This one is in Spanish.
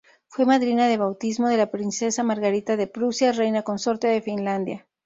Fue madrina de bautismo de la princesa Margarita de Prusia, reina consorte de Finlandia.